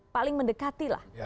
paling mendekati lah